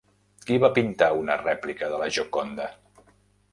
Qui va pintar una rèplica de La Gioconda?